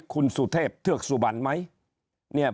คุณสุเทพเทือกสุบันไหม